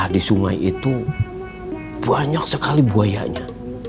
di sungai itu banyak sekali buayanya